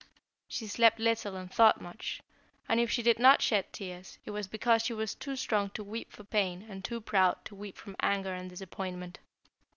She slept little and thought much, and if she did not shed tears, it was because she was too strong to weep for pain and too proud to weep from anger and disappointment.